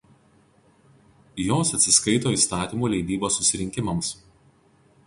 Jos atsiskaito įstatymų leidybos susirinkimams.